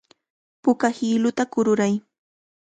Puka hiluta kururay.